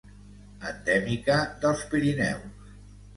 Endèmica dels Pirineus.